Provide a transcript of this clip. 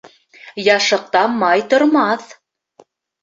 Яшыҡта май тормаҫ.